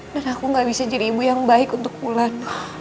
dan aku gak bisa jadi ibu yang baik untuk wulan